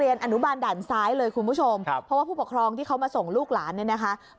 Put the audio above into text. เออเด็กก็ปรับตัวกันหน่อยนะฮะ